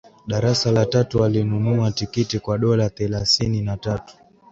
darasa la tatu walinunua tikiti kwa dola thelasini na tatu